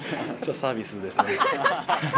サービスですね。